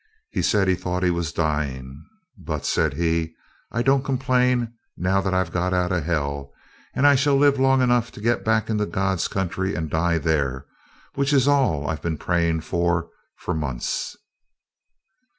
He said he thought he was dying. "But," said he, "I don't complain now I've got out of hell, and I shall live long enough to get back into God's country and die there, which is all I've been praying for for months."